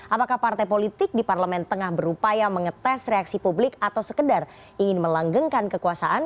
apakah partai politik di parlemen tengah berupaya mengetes reaksi publik atau sekedar ingin melanggengkan kekuasaan